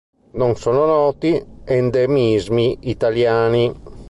Non sono noti endemismi italiani.